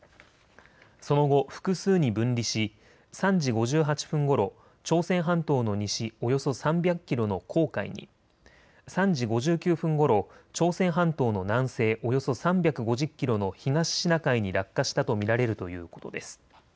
その後、複数に分離し３時５８分ごろ、朝鮮半島の西およそ３００キロの黄海に、３時５９分ごろ、朝鮮半島の南西およそ３５０キロの東シナ海に落下したと見られるということです。